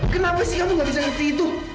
kenapa sih kamu gak bisa ngerti itu